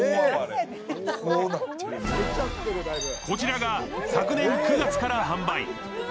こちらが昨年９月から販売。